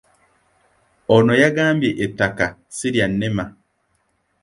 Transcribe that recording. Ono yagambye ettaka ssi lya NEMA.